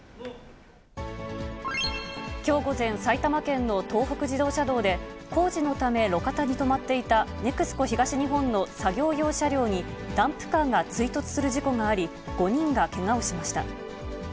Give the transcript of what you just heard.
きょう午前、埼玉県の東北自動車道で、工事のため、路肩に止まっていたネクスコ東日本の作業用車両に、ダンプカーが追突する事故があり、５人がけがをしました。